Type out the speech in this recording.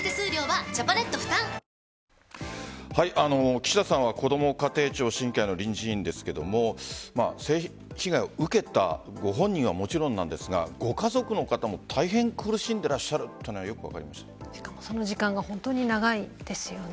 岸田さんはこども家庭庁審議会の臨時委員ですが性被害を受けたご本人はもちろんなんですがご家族の方も大変苦しんでらっしゃるその時間が本当に長いですよね。